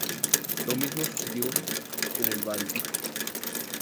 Lo mismo sucedió en el Báltico.